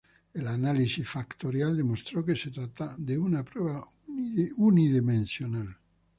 El análisis factorial demostró que se trata de una prueba unidimensional.